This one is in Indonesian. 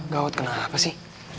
gawat kenapa sih